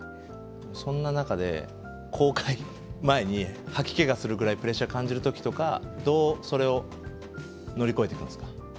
そんな中で公開前に吐き気がするぐらいプレッシャー感じる時とかどうそれを乗り越えていくんですか？